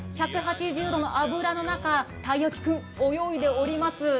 １８０度の油の中、たい焼き君、泳いでおります。